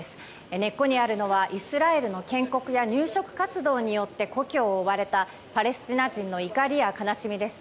根っこにあるのはイスラエルの建国や入植活動によって故郷を追われたパレスチナ人の怒りや悲しみです。